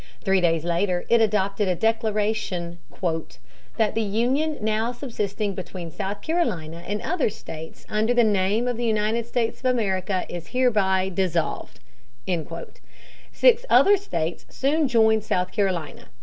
Three days later it adopted a declaration "that the union now subsisting between South Carolina and other states, under the name of the United States of America, is hereby dissolved." Six other states soon joined South Carolina.